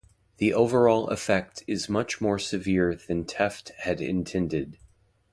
The overall effect is much more severe than Tefft had intended.